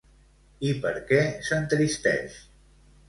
I per què s'entristeix?